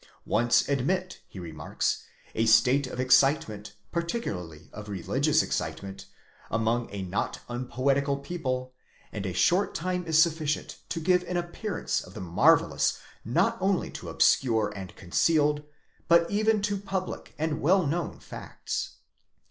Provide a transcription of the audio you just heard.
Once admit, he remarks, a state of excitement, particularly of religious excitement, among a not unpoetical people, and a short time is sufficient to give an appearance of the marvellous. not only to obscure and concealed, but even to public and well known facts.